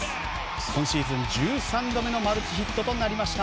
今シーズン１３度目のマルチヒットとなりました。